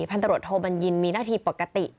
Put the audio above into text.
พันตรวจโทบัญญินมีหน้าที่ปกติ